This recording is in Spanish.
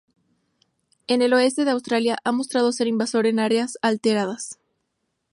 En el oeste de Australia ha mostrado ser invasor en áreas alteradas.